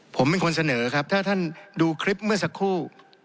ผมเป็นคนเสนอครับถ้าท่านดูคลิปเมื่อสักครู่